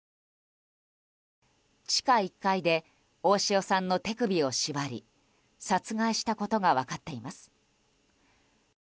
地下１階で大塩さんの手首を縛り殺害したことが分かっています。